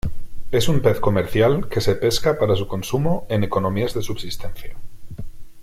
Es un pez comercial que se pesca para su consumo en economías de subsistencia.